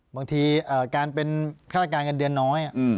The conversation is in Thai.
บางทีการเป็นฆาตการเงินเดือนน้อย